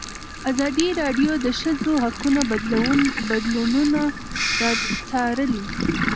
ازادي راډیو د د ښځو حقونه بدلونونه څارلي.